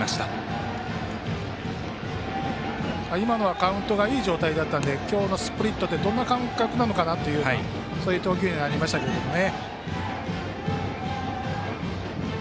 今のはカウントがいい状態だったので今日のスプリットってどんな感覚なのかなというような投球にはなりましたけれどもね。